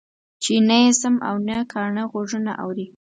چې نه يې سم او نه کاڼه غوږونه اوري.